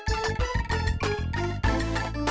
kamunya tetep cantik